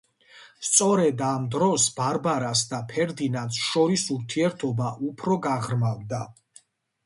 სწორედ ამ დროს ბარბარას და ფერდინანდს შორის ურთიერთობა უფრო გაღრმავდა.